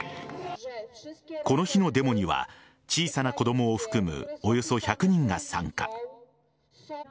この日のデモには小さな子供を含むおよそ１００人が参加。